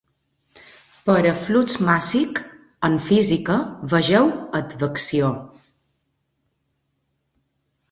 Per a "flux màssic" en física, vegeu "advecció".